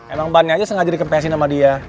emang bannya aja sengaja dikempesin sama dia